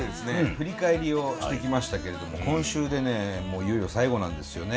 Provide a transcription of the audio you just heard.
振り返りをしてきましたけれども今週でねもういよいよ最後なんですよね。